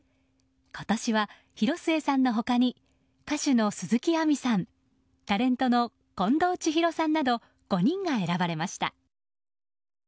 今年は広末さんの他に歌手の鈴木亜美さんタレントの近藤千尋さんなど５人が選ばれました。